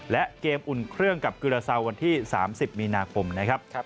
และเกมอุ่นเครื่องกับกิลาเซาวันที่๓๐มีนาคมนะครับ